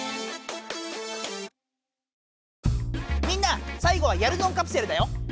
みんな最後は「やるぞんカプセル」だよ。